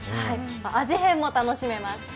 味変も楽しめます。